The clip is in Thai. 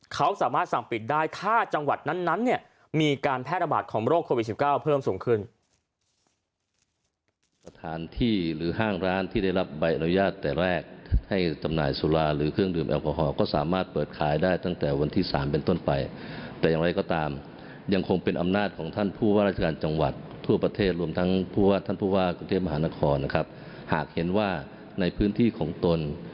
เขาสามารถสั่งปิดได้ถ้าจังหวัดนั้นเนี่ยมีการแพร่ระบาดของโรคโควิด๑๙เพิ่มสูงขึ้น